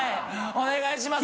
お願いします。